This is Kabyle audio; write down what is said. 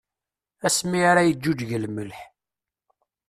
Asmi ara yeǧǧuǧǧeg lmelḥ.